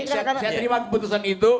saya terima keputusan itu